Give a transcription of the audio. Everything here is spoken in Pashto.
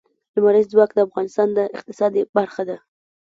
لمریز ځواک د افغانستان د اقتصاد برخه ده.